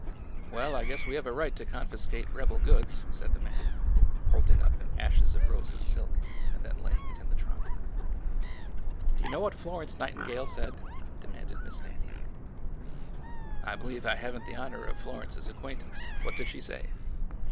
" Well, I guess we have a right to confiscate rebel goods," said the man, holding up an ashes of roses silk and then laying it in the trunk. Do you know what Florence Nightingale said ?" de manded Miss Nannie. " I believe I have n't the honor of Florence's acquain tance. What did she say